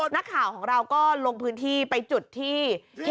นักข่าวของเราก็ลงพื้นที่ไปจุดที่